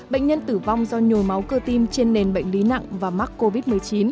bệnh nhân tử vong do nhồi máu cơ tim trên nền bệnh lý nặng và mắc covid một mươi chín